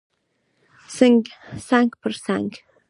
څنګ پر څنګ